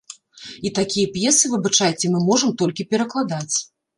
І такія п'есы, выбачайце, мы можам толькі перакладаць.